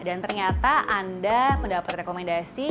dan ternyata anda mendapat rekomendasi